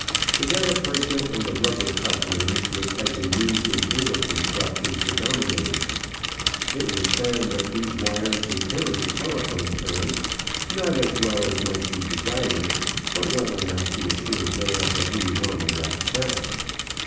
The gutta percha and the rubber coverings which had been used in cable construction predominated. It was found that these wires would carry the telephone currents, not as well as might be desired, but well enough to assure Vail that he was on the right track.